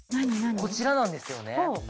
こちらなんですよね。